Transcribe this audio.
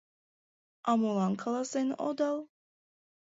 — А молан каласен одал?!.